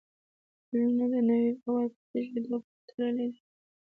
بدلون د نوي باور په زېږېدو پورې تړلی دی.